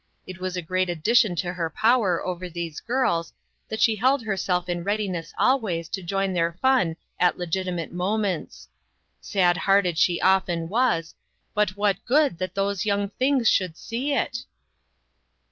It was a great addition to her power over those girls that she held herself in readiness always to join their fun at legitimate moments. Sad hearted she often was, but what good that those young things should see it?